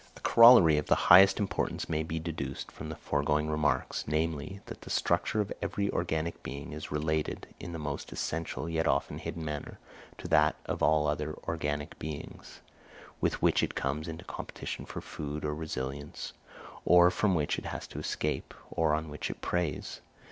A corollary of the highest importance may be deduced from the foregoing remarks, namely, that the structure of every organic being is related, in the most essential yet often hidden manner, to that of all other organic beings, with which it comes into competition for food or residence, or from which it has to escape, or on which it preys.